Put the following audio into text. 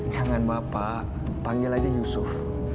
jangan mbak pak panggil aja yusuf